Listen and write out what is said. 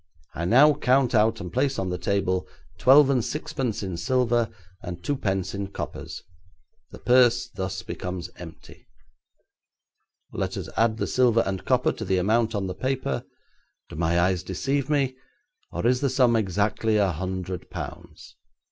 I now count out and place on the table twelve and sixpence in silver and two pence in coppers. The purse thus becomes empty. Let us add the silver and copper to the amount on the paper. Do my eyes deceive me, or is the sum exactly a hundred pounds?